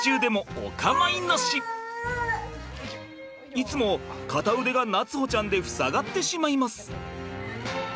いつも片腕が夏歩ちゃんで塞がってしまいます。